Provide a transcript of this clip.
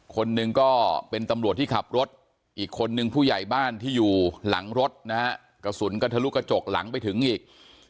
คนหนึ่งก็เป็นตำรวจที่ขับรถอีกคนนึงผู้ใหญ่บ้านที่อยู่หลังรถนะฮะกระสุนก็ทะลุกระจกหลังไปถึงอีก